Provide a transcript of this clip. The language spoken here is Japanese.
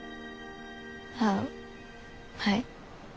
ああはい。